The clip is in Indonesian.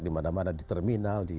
dimana mana di terminal